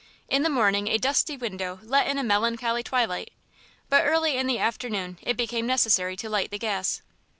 In the morning a dusty window let in a melancholy twilight, but early in the afternoon it became necessary to light the gas.